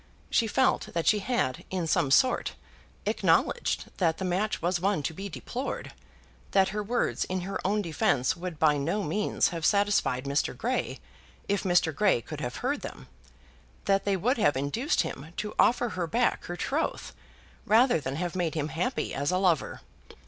She felt that she had, in some sort, acknowledged that the match was one to be deplored; that her words in her own defence would by no means have satisfied Mr. Grey, if Mr. Grey could have heard them; that they would have induced him to offer her back her troth rather than have made him happy as a lover.